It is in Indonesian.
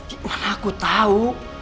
gimana aku tau